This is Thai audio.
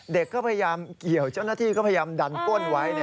เด็กก็พยายามเกี่ยวเจ้าหน้าที่ก็พยายามดันก้นไว้